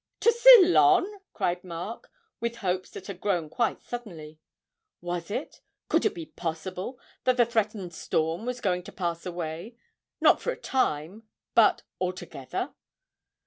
'To Ceylon!' cried Mark, with hopes that had grown quite suddenly. Was it, could it be possible that the threatened storm was going to pass away not for a time, but altogether?